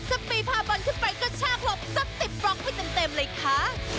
สะปีพาบอลขึ้นไปก็ช่าครบสัก๑๐บล็อกไปเต็มเลยค่ะ